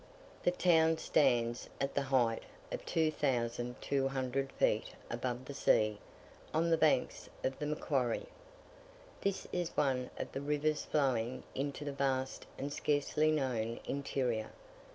The town stands, at the height of 2200 feet above the sea, on the banks of the Macquarie. This is one of the rivers flowing into the vast and scarcely known interior.